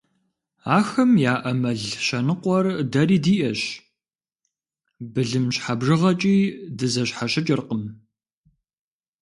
Ахэм яӏэ мэл щэныкъуэр дэри диӏэщ, былым щхьэ бжыгъэкӏи дызэщхьэщыкӏыркъым.